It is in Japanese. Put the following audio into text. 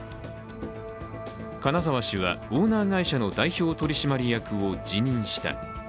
金沢氏はオーナー会社の代表取締役を辞任した。